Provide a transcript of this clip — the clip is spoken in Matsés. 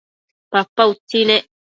papa utsi nec